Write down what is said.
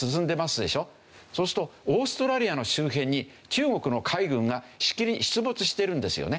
そうするとオーストラリアの周辺に中国の海軍がしきりに出没してるんですよね。